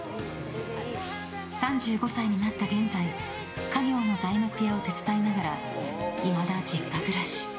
３５歳になった現在家業の材木屋を手伝いながらいまだ実家暮らし。